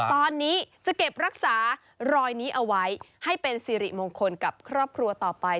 ตอนนี้จะเก็บรักษารอยนี้เอาไว้ให้เป็นสิริมงคลกับครอบครัวต่อไป